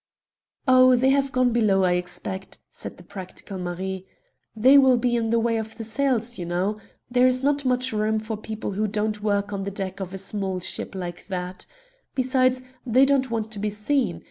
"Oh, they have gone below, I expect," said the practical Marie. "They will be in the way of the sails, you know. There is not much room for people who don't work on the deck of a small ship like that. Besides, they don't want to be seen.